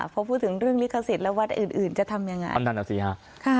พอพูดถึงเรื่องลิขสิทธิ์แล้ววัดอื่นอื่นจะทำยังไงอันนั้นอ่ะสิฮะค่ะ